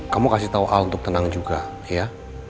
kamu kasih tau al untuk tenang juga ya